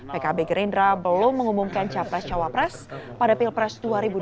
pkb gerindra belum mengumumkan capres cawapres pada pilpres dua ribu dua puluh